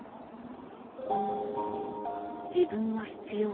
自分は必要か？